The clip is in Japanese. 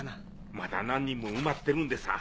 まだ何人も埋まってるんでさぁ。